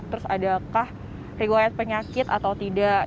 terus adakah riwayat penyakit atau tidak